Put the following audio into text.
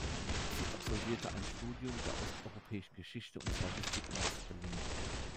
Sie absolvierte ein Studium der Osteuropäischen Geschichte und Slavistik in West-Berlin.